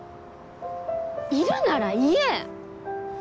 いるなら言え！